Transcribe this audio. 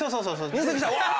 「入籍した！わ！」